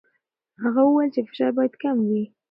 هغه وویل چې فشار باید کم وي.